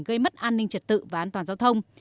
gây mất an ninh trật tự và an toàn giao thông